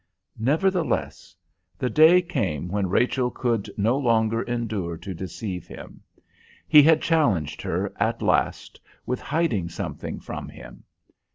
Nevertheless, the day came when Rachel could no longer endure to deceive him. He had challenged her, at last, with hiding something from him.